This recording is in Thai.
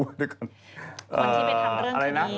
คนที่ไปทำเรื่องคีย์